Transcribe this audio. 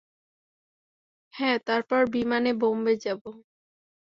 হ্যাঁ, তারপর বিমানে বোম্বে যাব।